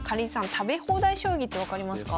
食べ放題将棋って分かりますか？